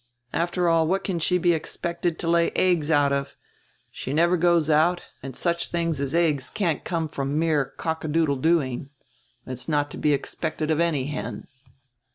After all, what can she be expected to lay eggs out of? She never goes out, and such tilings as eggs can't come from mere cock a doodle dooing. It is not to be expected of any hen."